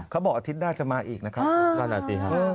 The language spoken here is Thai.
เขาบอกว่าอาทิตย์หน้าจะมาอีกนะครับ